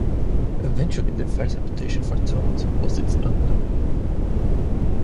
Eventually, the fair's reputation for tumult was its undoing.